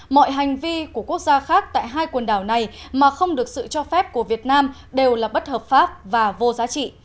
mọi hành vi của quốc gia khác tại hai quần đảo này mà không được sự cho phép của việt nam đều là bất hợp pháp và vô giá trị